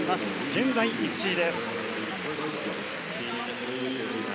現在１位です。